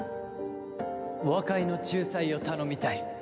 和解の仲裁を頼みたい。